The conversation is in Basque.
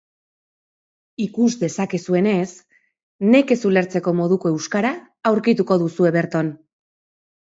Ikus dezakezuenez, nekez ulertzeko moduko euskara aurkituko duzue berton.